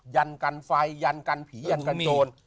ยัญกันไฟพี่โจร